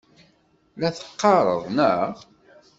La t-teqqareḍ, naɣ?